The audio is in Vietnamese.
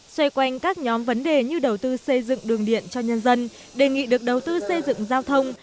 xoay quanh các nhóm vấn đề như đầu tư xây dựng đường điện cho nhân dân đề nghị được đầu tư xây dựng giao thông